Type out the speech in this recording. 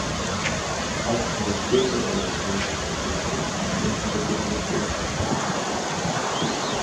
Auch karikierte er berühmte Poeten und parodierte historischen Sagen.